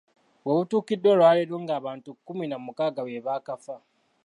We butuukidde olwaleero ng’abantu kkumi na mukaaga be baakafa.